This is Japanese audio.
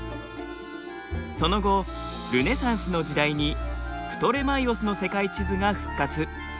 その後ルネサンスの時代にプトレマイオスの世界地図が復活。